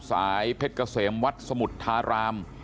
เพชรเกษมวัดสมุทรทาราม